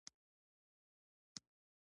هغه هر ګړی جال ته څنډ یا حرکت ورکاوه.